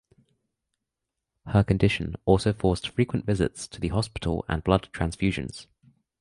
Her condition also forced frequent visits to the hospital and blood transfusions.